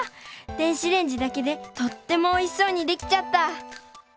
電子レンジだけでとってもおいしそうにできちゃった！